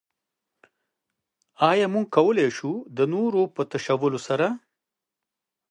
ايا موږ کولای شو د نورو په تشولو سره.